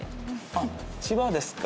あっ千葉ですか。